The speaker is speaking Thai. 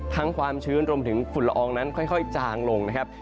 ความชื้นรวมถึงฝุ่นละอองนั้นค่อยจางลงนะครับ